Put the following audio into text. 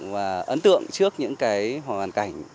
và ấn tượng trước những cái hoàn cảnh